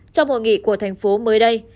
trong hội nghị của thành phố mới đây